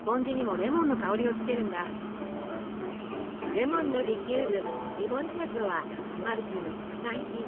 レモンのリキュールリモンチェッロはアマルフィの特産品。